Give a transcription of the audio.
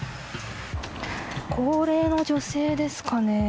高齢の女性ですかね。